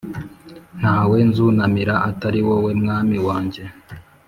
nta we nzunamira atari wowe, mwami wanjye,